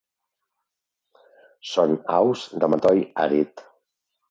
Són aus de matoll àrid.